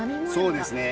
そうですね。